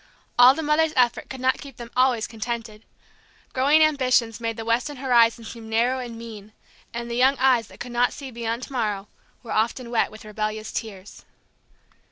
All the mother's effort could not keep them always contented. Growing ambitions made the Weston horizon seem narrow and mean, and the young eyes that could not see beyond to morrow were often wet with rebellious tears.